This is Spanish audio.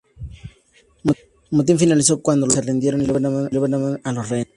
El motín finalizó cuando los rebeldes se rindieron y liberaron a los rehenes.